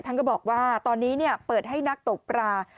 ก็บอกว่าตอนนี้เปิดให้นักตกปลา